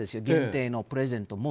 限定のプレゼント。